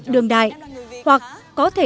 đường đại hoặc có thể